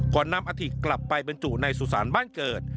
ก่อนนำอาถิกลับไปบรรจุในสุสานบ้านเกิด